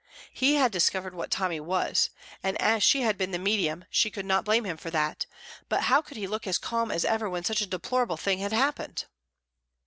He had discovered what Tommy was, and as she had been the medium she could not blame him for that, but how could he look as calm as ever when such a deplorable thing had happened?